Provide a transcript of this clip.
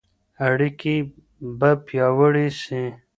اړيکي به پياوړې سي.